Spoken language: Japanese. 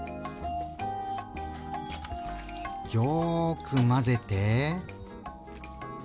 よく混ぜて。